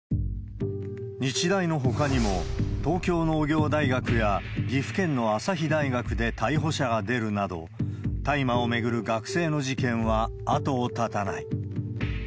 日大のほかにも、東京農業大学や岐阜県の朝日大学で逮捕者が出るなど、大麻を巡る学生の事件は後を絶たない。